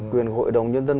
quyền của hội đồng nhân dân